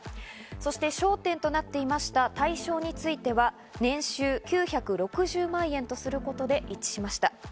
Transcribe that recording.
そして焦点となっていました対象については年収９６０万円とすることで一致しました。